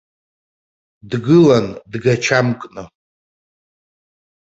Дгылан дгачамкны.